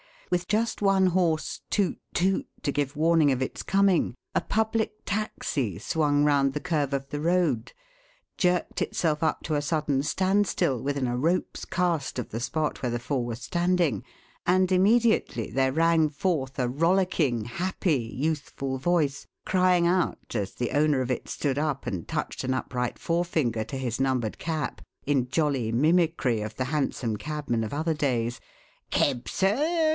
With just one hoarse "Toot toot!" to give warning of its coming, a public taxi swung round the curve of the road, jerked itself up to a sudden standstill within a rope's cast of the spot where the four were standing, and immediately there rang forth a rollicking, happy youthful voice crying out, as the owner of it stood up and touched an upright forefinger to his numbered cap, in jolly mimicry of the Hanson cabman of other days: "Keb, sir?